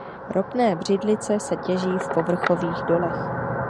Ropné břidlice se těží v povrchových dolech.